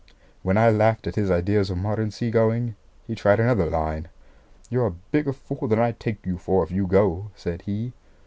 When I laughed at his ideas of modern sea going he tried another line. "You're a bigger fool than I take you for if you go," said he.